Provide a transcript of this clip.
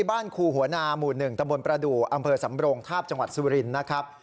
บ้านครูหัวนาหมู่๑ตะบนประดูกอำเภอสำโรงทาบจังหวัดสุรินทร์นะครับ